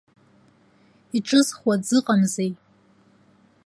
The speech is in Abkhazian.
Иҿызхуа дзыҟамзеи?!